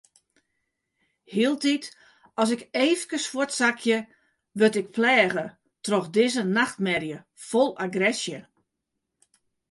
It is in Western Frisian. Hieltyd as ik eefkes fuortsakje, wurd ik pleage troch dizze nachtmerje fol agresje.